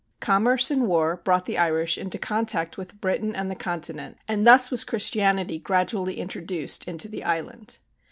Commerce and war brought the Irish into contact with Britain and the continent, and thus was Christianity gradually introduced into the island.